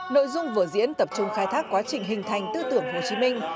nội dung vở diễn tập trung khai thác quá trình hình thành tư tưởng hồ chí minh